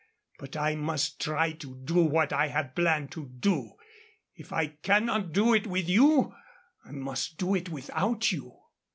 But I must try to do what I have planned to do. If I cannot do it with you, I must do it without you."